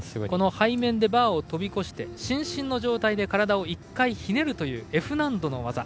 背面でバーを飛び越して伸身の状態で体を１回ひねるというＦ難度の技。